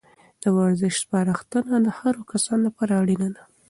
د ورزش سپارښتنه د هرو کسانو لپاره اړینه ده.